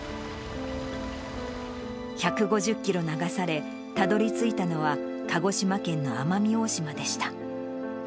１５０キロ流され、たどりついたのは、鹿児島県の奄美大島でした。